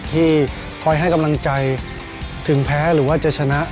ที่คอยให้กำลังใจถึงแพ้หรือว่าจะชนะ